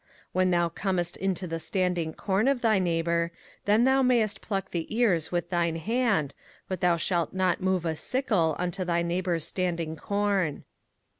05:023:025 When thou comest into the standing corn of thy neighbour, then thou mayest pluck the ears with thine hand; but thou shalt not move a sickle unto thy neighbour's standing corn.